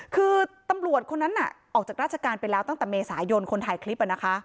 คือตำรวจคนนั้นออกจากราชการไปแล้วตั้งแต่เมษายนคนถ่ายคลิป